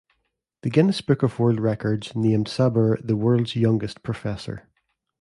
The "Guinness Book of World Records" named Sabur the World's Youngest Professor.